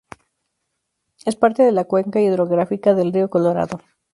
Es parte de la cuenca hidrográfica del río Colorado.